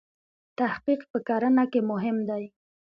تحقیق په کرنه کې مهم دی.